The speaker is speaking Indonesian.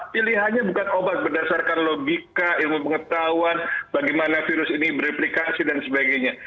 pilihannya bukan obat berdasarkan logika ilmu pengetahuan bagaimana virus ini bereplikasi dan sebagainya